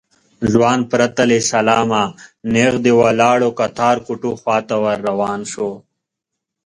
ځوان پرته له سلامه نېغ د ولاړو کتار کوټو خواته ور روان شو.